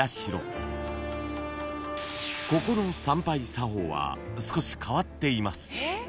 ［ここの参拝作法は少し変わっています］